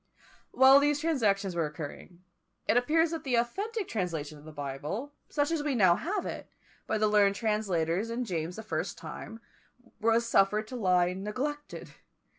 While these transactions were occurring, it appears that the authentic translation of the Bible, such as we now have it, by the learned translators in James the First's time, was suffered to lie neglected.